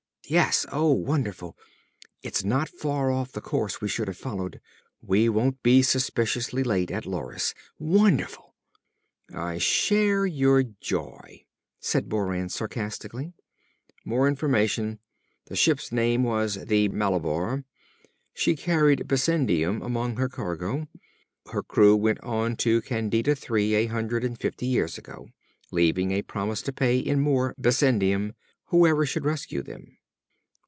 "_Yes!... Oh, wonderful! It's not far off the course we should have followed! We won't be suspiciously late at Loris! Wonderful!_" "I share your joy," said Moran sarcastically. "More information! The ship's name was the Malabar. She carried bessendium among her cargo. Her crew went on to Candida III a hundred and fifty years ago, leaving a promise to pay in more bessendium whoever should rescue them.